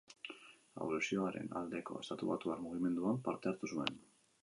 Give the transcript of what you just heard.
Abolizioaren aldeko estatubatuar mugimenduan parte hartu zuen.